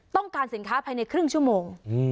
ต้องการสินค้าภายในครึ่งชั่วโมง